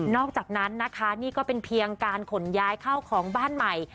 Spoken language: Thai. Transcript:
อกจากนั้นนะคะนี่ก็เป็นเพียงการขนย้ายเข้าของบ้านใหม่